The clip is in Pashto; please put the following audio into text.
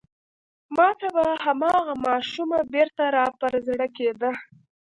ما ته به هماغه ماشومه بېرته را په زړه کېده.